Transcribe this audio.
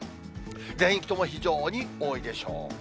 全域とも非常に多いでしょう。